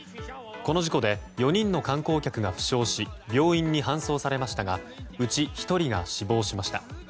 この事故で４人の観光客が負傷し病院に搬送されましたがうち１人が死亡しました。